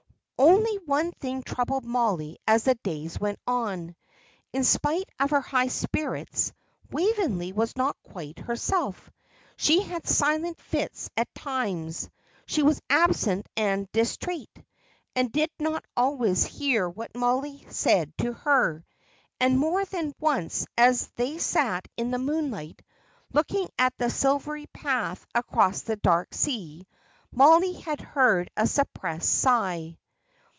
Only one thing troubled Mollie as the days went on. In spite of her high spirits, Waveney was not quite herself. She had silent fits at times. She was absent and distraite, and did not always hear what Mollie said to her; and more than once as they sat in the moonlight, looking at the silvery path across the dark sea, Mollie had heard a suppressed sigh.